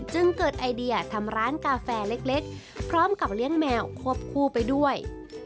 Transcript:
จึงเกิดไอเดียทำร้านกาแฟเล็กพร้อมกับเลี้ยงแมวควบคู่ไปด้วย